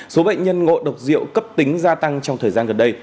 số bệnh nhân ngộ độc rượu cấp tính gia tăng trong thời gian gần đây